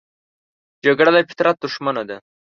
جګړه د فطرت دښمنه ده